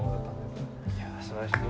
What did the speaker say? いやすばらしい。